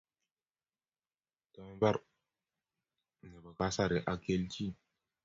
To mbar nebo kasari ak kelchin